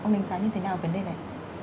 ông đánh giá như thế nào về nơi này